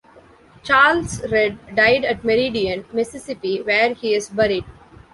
Charles Read died at Meridian, Mississippi, where he is buried.